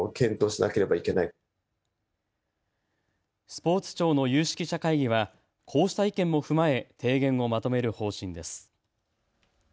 スポーツ庁の有識者会議はこうした意見も踏まえ提言をまとめる方針です。